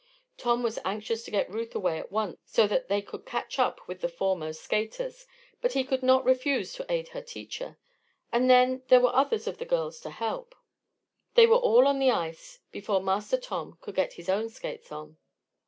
Tom was anxious to get Ruth away at once so that they could catch up with the foremost skaters; but he could not refuse to aid her teacher. And then there were others of the girls to help. They were all on the ice before Master Tom could get his own skates on.